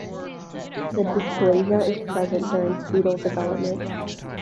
The dysplasia is present during fetal development.